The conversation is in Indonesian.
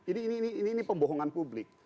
ini ini ini ini ini pembohongan publik